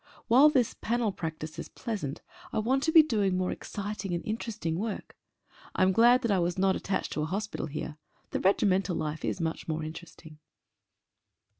While this "panel practice" is pleasant, I want to be doing more exciting and interesting work. I am glad that I was not attached to a hospital here ; the regi mental life is much more interesting.